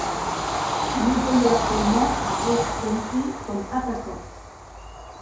Il évolue actuellement à Ross County comme attaquant.